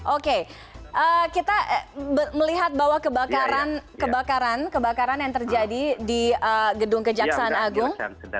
oke kita melihat bahwa kebakaran kebakaran yang terjadi di gedung kejaksaan agung